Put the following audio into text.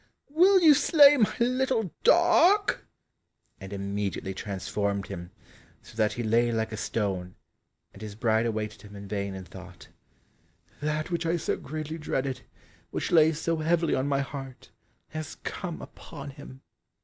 will you slay my little dog?" and immediately transformed him, so that he lay like a stone, and his bride awaited him in vain and thought, "That which I so greatly dreaded, which lay so heavily on my heart, has come upon him!"